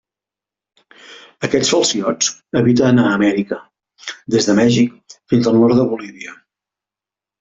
Aquests falciots habiten a Amèrica, des de Mèxic fins al nord de Bolívia.